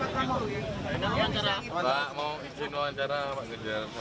bagaimana dia nyanyi